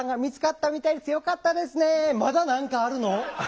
まだ何かあるの？